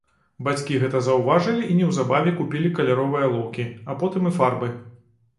Бацькі гэта заўважылі і неўзабаве купілі каляровыя алоўкі, а потым і фарбы.